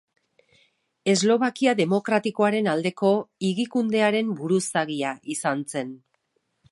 Eslovakia Demokratikoaren aldeko Higikundearen buruzagia izan zen.